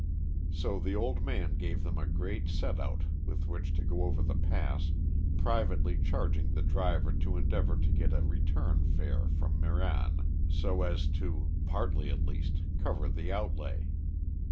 So the old man gave them a great set out with which to go over the pass, privately charging the driver to endeavour to get a return fare from Meran so as to, partly at least, cover the outlay.